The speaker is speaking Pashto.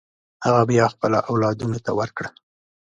هغه بیا خپلو اولادونو ته ورکړه.